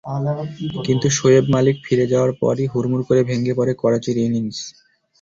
কিন্তু শোয়েব মালিক ফিরে যাওয়ার পরই হুড়মুড় করে ভেঙে পড়ে করাচির ইনিংস।